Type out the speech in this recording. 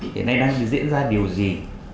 thì cái này đang diễn ra điều gì